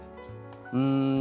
うん。